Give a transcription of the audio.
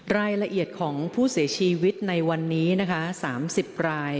รายละเอียดของผู้เสียชีวิตในวันนี้นะคะ๓๐ราย